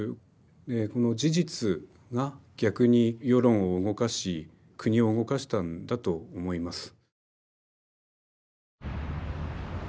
この事実が逆に世論を動かし国を動かしたんだと思います。